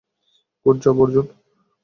Good job, Arjun.